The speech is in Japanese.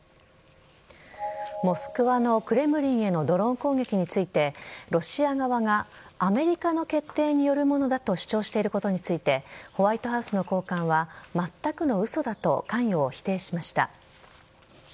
モスクワのクレムリンへのドローン攻撃についてロシア側がアメリカの決定によるものだと主張していることについてホワイトハウスの高官はまったくの嘘だと関与を否定しました。